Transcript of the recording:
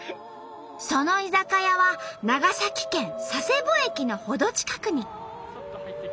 その居酒屋は長崎県佐世保駅の程近くに。